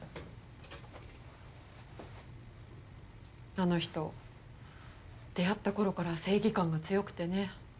あの人出会った頃から正義感が強くてね。